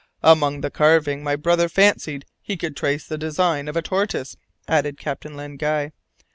"Among the carving my brother fancied he could trace the design of a tortoise," added Captain Len Guy.